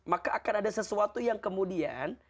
maka akan ada sesuatu yang kemudian